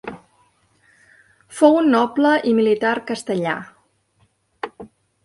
Fou un noble i militar castellà.